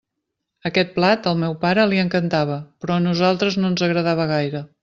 Aquest plat, al meu pare, li encantava, però a nosaltres no ens agradava gaire.